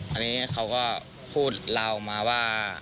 อันนี้เขาก็พูดลาวออกมาว่า